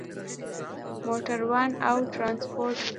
موټروان او ترانسپورت